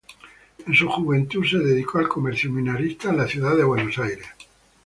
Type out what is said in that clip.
En su juventud se dedicó al comercio minorista en la ciudad de Buenos Aires.